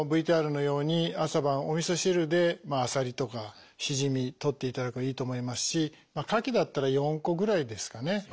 ＶＴＲのように朝晩おみそ汁であさりとかしじみとっていただくのはいいと思いますしかきだったら４個ぐらいですかね。